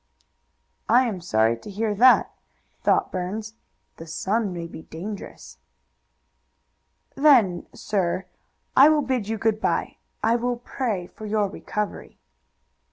"I am sorry to hear that," thought Burns. "The son may be dangerous." "Then, sir, I will bid you good by. I will pray for your recovery."